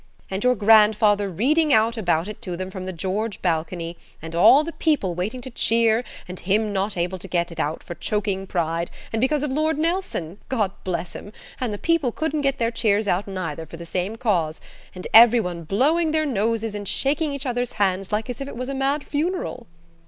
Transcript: And your grandfather reading out about it to them from the 'George' balcony, and all the people waiting to cheer, and him not able to get it out for choking pride and because of Lord Nelson–God bless him!–and the people couldn't get their cheers out neither, for the same cause, and every one blowing their noses and shaking each other's hands like as if it was a mad funeral?"